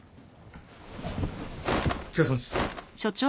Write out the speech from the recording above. ・お疲れさまです。